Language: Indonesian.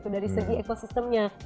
dari segi ekosistemnya